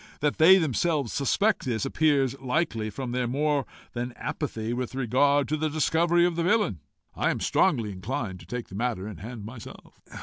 That they themselves suspect this, appears likely from their more than apathy with regard to the discovery of the villain. I am strongly inclined to take the matter in hand myself."